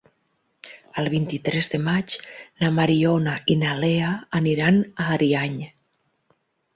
El vint-i-tres de maig na Mariona i na Lea aniran a Ariany.